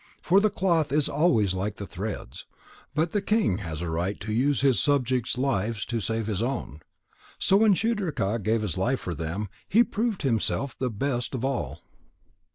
For the cloth is always like the threads. But the king has aright to use his subjects' lives to save his own. So when Shudraka gave his life for them, he proved himself the best of all."